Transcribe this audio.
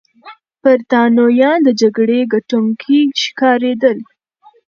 برتانويان د جګړې ګټونکي ښکارېدل.